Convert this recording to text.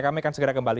kami akan segera kembali